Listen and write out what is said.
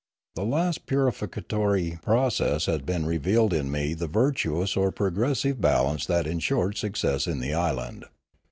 The last purificatory process had revealed in me the virtuous or progressive balance that ensured success in the island.